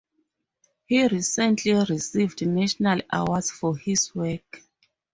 He recently received National Award for his Work.